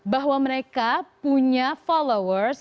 bahwa mereka punya followers